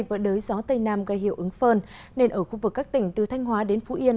và đới gió tây nam gây hiệu ứng phơn nên ở khu vực các tỉnh từ thanh hóa đến phú yên